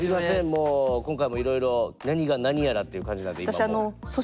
今回もいろいろ何が何やらっていう感じなんで今もう。